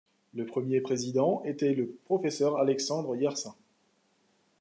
Le premier président était le professeur Alexandre Yersin.